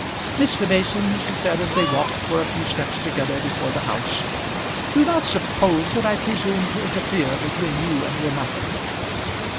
"Mr. Mason," she said, as they walked for a few steps together before the house, "do not suppose that I presume to interfere between you and your mother."